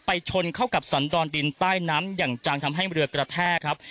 ชนเข้ากับสันดอนดินใต้น้ำอย่างจังทำให้เรือกระแทกครับ